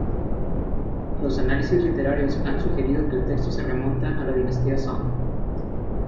Los análisis literarios han sugerido que el texto se remonta a la dinastía Song.